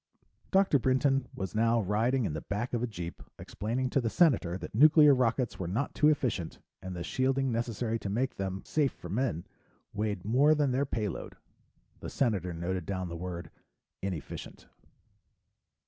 Dr. Brinton was now riding in the back of a jeep, explaining to the Senator that nuclear rockets were not too efficient, and the shielding necessary to make them safe for men weighed more than their payload. The Senator noted down the word "inefficient."